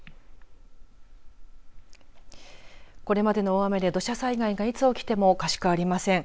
これまでの大雨で土砂災害がいつ起きてもおかしくありません。